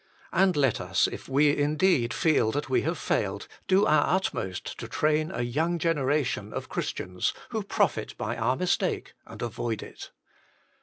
And let us, if we indeed feel that we have failed, do our utmost to train a young generation of Christians, who profit by our mistake and avoid it.